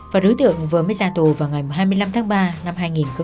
và đối tượng vừa mới ra tù vào ngày hai mươi năm tháng ba năm hai nghìn hai mươi